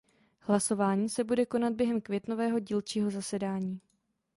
Hlasování se bude konat během květnového dílčího zasedání.